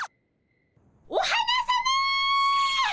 お花さま！